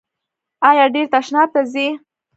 ایا ډیر تشناب ته ځئ؟